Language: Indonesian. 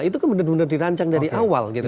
itu kan benar benar dirancang dari awal gitu